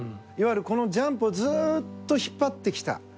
いわゆる、このジャンプをずっと引っ張ってきた。